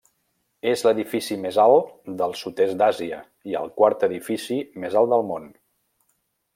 És l'edifici més alt del sud-est d'Àsia i el quart edifici més alt del món.